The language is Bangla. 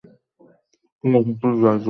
পুরো পৃথবী জ্বলজ্বলে দেখাবে।